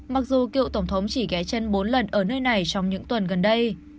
mặc dù cựu tổng thống chỉ ghé chân bốn lần ở nơi này trong những tuần gần đây